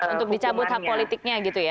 untuk dicabut hak politiknya gitu ya